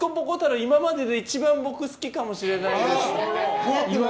今までで一番僕好きかもしれないです。